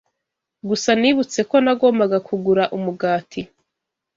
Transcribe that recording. Gusa nibutse ko nagombaga kugura umugati.